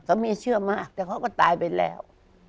เมียเชื่อมากแต่เขาก็ตายไปแล้ว